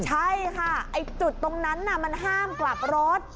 ใช่ค่ะไอ้จุดตรงนั้นมันห้ามกลับรถ